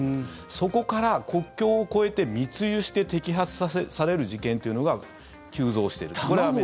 そこから国境を越えて密輸して摘発される事件というのが急増している。